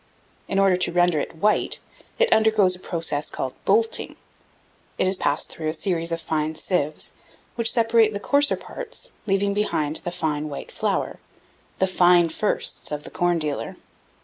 In order to render it white, it undergoes a process called "bolting." It is passed through a series of fine sieves, which separate the coarser parts, leaving behind fine white flour, the "fine firsts" of the corn dealer.